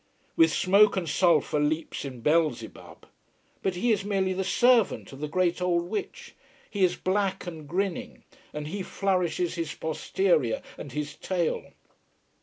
With smoke and sulphur leaps in Beelzebub. But he is merely the servant of the great old witch. He is black and grinning, and he flourishes his posterior and his tail.